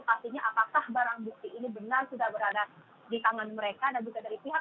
pastinya apakah barang bukti ini benar sudah berada di tangan mereka dan juga dari pihak